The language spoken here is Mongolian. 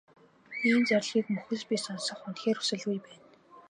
Ийм зарлигийг мөхөс би сонсох үнэхээр хүсэлгүй байна.